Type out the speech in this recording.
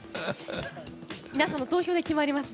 皆さんの投票で決まります。